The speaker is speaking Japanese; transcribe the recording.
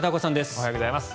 おはようございます。